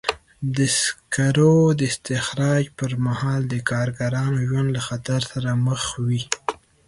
د سکرو د استخراج پر مهال د کارګرانو ژوند له خطر سره مخ وي.